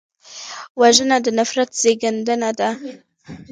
وژنه د نفرت زېږنده ده